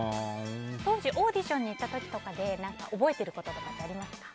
当時、オーディションに行った時とかで覚えていることとかありますか？